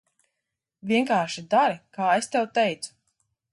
Vienkārši dari, kā es tev teicu.